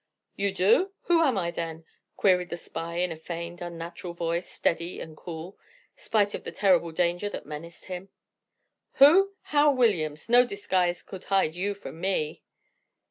"You do? who am I then?" queried the spy in a feigned, unnatural voice, steady and cool, spite of the terrible danger that menaced him. "Who? Hal Williams, no disguise could hide you from me."